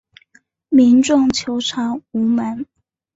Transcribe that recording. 民众求偿无门